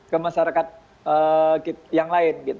ke masyarakat yang lain